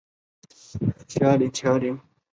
魁地奇是巫师世界中最风行的球赛运动。